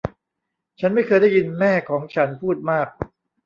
ฉันไม่เคยได้ยินแม่ของฉันพูดมาก